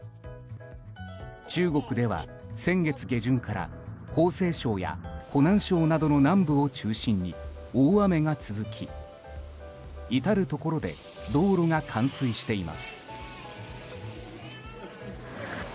中国では、先月下旬から江西省や湖南省などの南部を中心に大雨が続き至るところで道路が冠水しています。